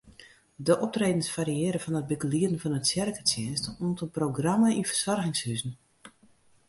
De optredens fariearje fan it begelieden fan in tsjerketsjinst oant in programma yn fersoargingshuzen.